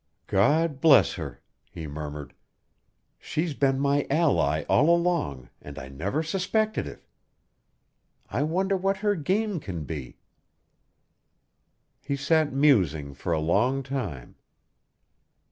"God bless her!" he murmured. "She's been my ally all along, and I never suspected it! I wonder what her game can be." He sat musing for a long time.